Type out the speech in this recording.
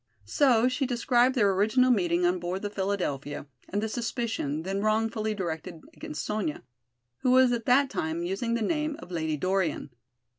So she described their original meeting on board the "Philadelphia," and the suspicion, then wrongfully directed against Sonya, who was at that time using the name of Lady Dorian.